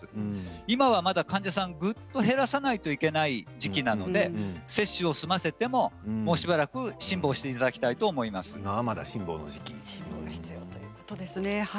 今まだ患者さんをぐんと減らさないといけない時期なので接種を済ませてももうしばらく辛抱していただき辛抱の時期なんですね。